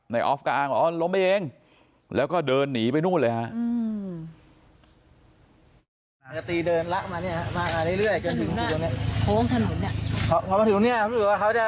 ออฟก็อ้างว่าล้มไปเองแล้วก็เดินหนีไปนู่นเลยฮะ